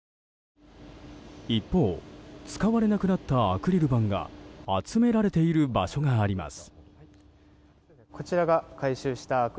一方、使われなくなったアクリル板が集められている場所があります。